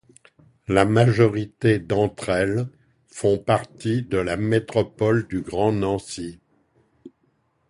La majorité d'entre elles font partie de la Métropole du Grand Nancy.